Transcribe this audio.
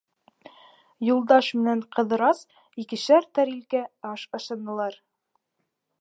Юлдаш менән Ҡыҙырас икешәр тәрилкә аш ашанылар.